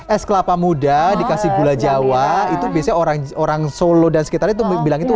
es kelapa muda dikasih gula jawa itu biasanya orang orang solo dan sekitar itu bilang itu